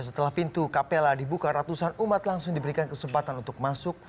setelah pintu kapela dibuka ratusan umat langsung diberikan kesempatan untuk masuk